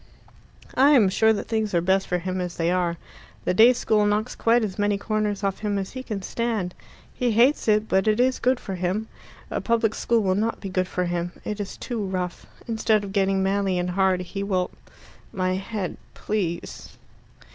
"I am sure that things are best for him as they are. The day school knocks quite as many corners off him as he can stand. He hates it, but it is good for him. A public school will not be good for him. It is too rough. Instead of getting manly and hard, he will " "My head, please."